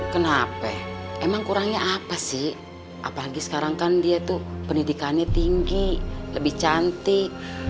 kenapa emang kurangnya apa sih apalagi sekarang kan dia tuh pendidikannya tinggi lebih cantik